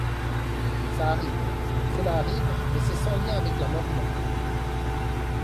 Ça arrive ! Cela arrive, mais c’est sans lien avec l’amendement.